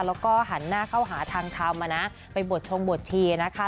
แล้วก็หันหน้าเข้าหาทางทำนะไปบวชชงบวชชีนะคะ